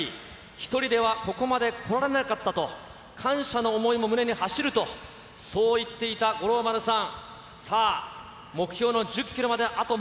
一人ではここまで来られなかったと、感謝の想いも胸に走ると、そう言っていた五郎丸さん。